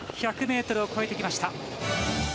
１００ｍを超えてきました。